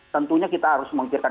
tentunya kita harus mengkirakan